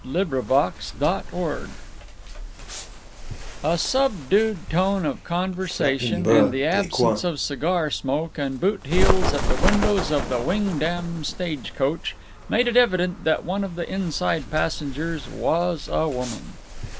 BROWN OF CALAVERAS A subdued tone of conversation, and the absence of cigar smoke and boot heels at the windows of the Wingdam stagecoach, made it evident that one of the inside passengers was a woman.